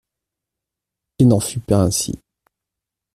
Il n'en fut pas ainsi.